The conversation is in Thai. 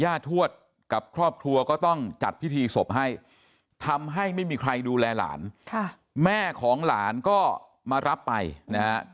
ทวดกับครอบครัวก็ต้องจัดพิธีศพให้ทำให้ไม่มีใครดูแลหลานค่ะแม่ของหลานก็มารับไปนะฮะ